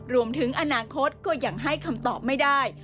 รวมถึงอนาคตก็ยังให้คำตอบไม่ได้